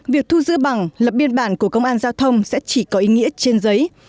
việc thu giữ bằng lập biên bản của công an giao thông sẽ chỉ có ý nghĩa trên giấy